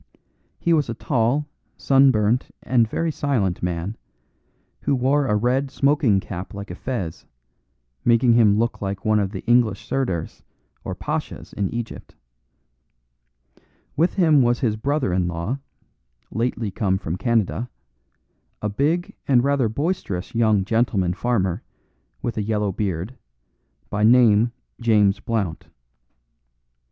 He was a tall, sunburnt, and very silent man, who wore a red smoking cap like a fez, making him look like one of the English Sirdars or Pashas in Egypt. With him was his brother in law, lately come from Canada, a big and rather boisterous young gentleman farmer, with a yellow beard, by name James Blount.